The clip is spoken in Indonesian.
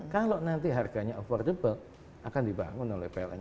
kalau nanti harganya affordable akan dibangun oleh pln